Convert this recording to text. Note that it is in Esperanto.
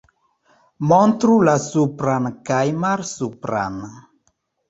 Montru la supran kaj malsupran